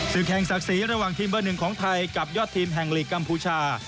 แห่งศักดิ์ศรีระหว่างทีมเบอร์หนึ่งของไทยกับยอดทีมแห่งลีกกัมพูชา